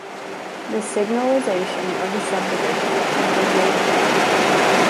The signalization of the subdivision has been made again.